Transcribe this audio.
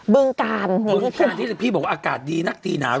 เบื้องกาลอย่างที่คุณเบื้องกาลที่พี่บอกว่าอากาศดีนักดีหนาว